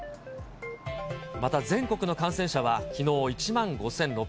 また全国の感染者はきのう１万５６００人。